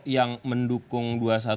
yang mendukung dua ratus dua belas